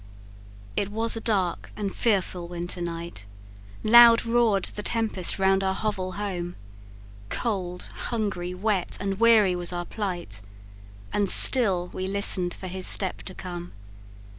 "It was a dark and fearful winter night, Loud roar'd the tempest round our hovel home; Cold, hungry, wet, and weary was our plight, And still we listen'd for his step to come.